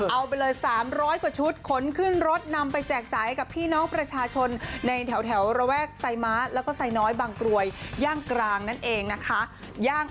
เอาไปเลย๓๐๐กว่าชุดขนขึ้นรถนำไปแจกจ่ายกับพี่น้องประชาชนในแถวระแวกไซม้าแล้วก็ไซน้อยบางกรวยย่างกลางนั่นเองนะคะ